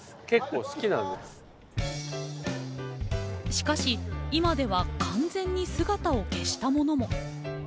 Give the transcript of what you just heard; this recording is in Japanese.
しかし、今では完全に姿を消したものも。